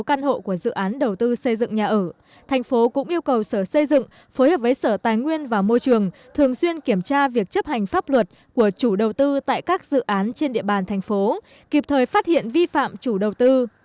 cổng thông tin điện tử sở xây dựng tp hcm cũng yêu cầu sở xây dựng phối hợp với sở tài nguyên và môi trường thường xuyên kiểm tra việc chấp hành pháp luật của chủ đầu tư tại các dự án trên địa bàn thành phố kịp thời phát hiện vi phạm chủ đầu tư